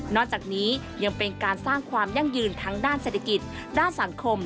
จากนี้ยังเป็นการสร้างความยั่งยืนทั้งด้านเศรษฐกิจด้านสังคม